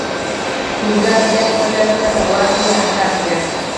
پنځۀ اتيا شپږ اتيا اووه اتيا اتۀ اتيا